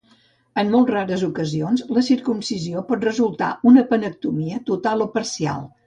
En molt rares ocasions, la circumcisió pot resultar en una penectomia total o parcial.